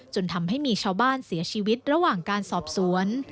จนทำให้มีชาวบ้านเสียชีวิตระหว่างการสอบสวน